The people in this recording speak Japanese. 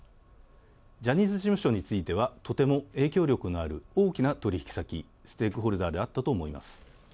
ジャニーズ事務所については、とても影響力のある大きな取り引き先、ステークホルダーであったと思います。